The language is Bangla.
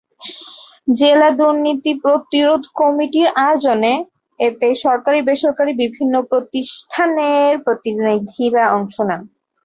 জেলা দুর্নীতি প্রতিরোধ কমিটির আয়োজনে এতে সরকারি-বেসরকারি বিভিন্ন প্রতিষ্ঠানের প্রতিনিধিরা অংশ নেন।